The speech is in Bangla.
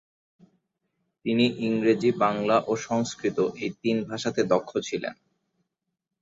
তিনি ইংরেজি, বাংলা ও সংস্কৃত এই তিন ভাষাতে দক্ষ ছিলেন।